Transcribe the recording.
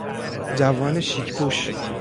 جوان شیک پوش